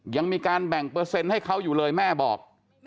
ยังมีการแบ่งเปอร์เซ็นต์ให้เขาอยู่เลยแม่บอก